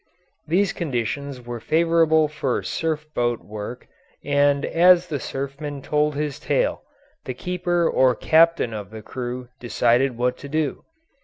These conditions were favourable for surf boat work, and as the surfman told his tale the keeper or captain of the crew decided what to do.